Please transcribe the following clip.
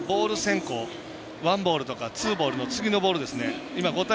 ボール先行、ワンボールとかツーボールの次のボールですね。